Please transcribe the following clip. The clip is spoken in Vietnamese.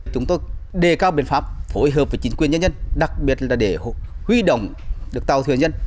chúng tôi đề cao biện pháp phối hợp với chính quyền nhân dân đặc biệt là để huy động được tàu thừa nhân